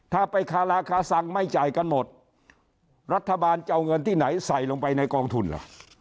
ถ้าไปคาราคาซังไม่จ่ายกันหมดรัฐบาลจะเอาเงินที่ไหนใส่ลงไปในกองทุนเหรอ